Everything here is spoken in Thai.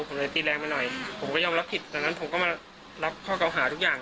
ผมเลยตีแรงมาหน่อยผมก็ยอมรับผิดตอนนั้นผมก็มารับข้อเก่าหาทุกอย่าง